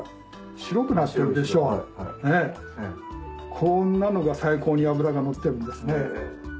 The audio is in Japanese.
こんなのが最高に脂が乗ってるんですね。